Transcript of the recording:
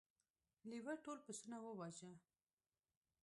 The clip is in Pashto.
لیوه ټول پسونه وواژه.